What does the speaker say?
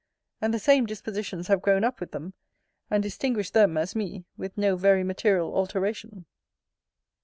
And the same dispositions have grown up with them, and distinguish them as me, with no very material alteration.